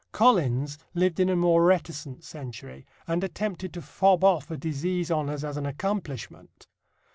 Collins lived in a more reticent century, and attempted to fob off a disease on us as an accomplishment.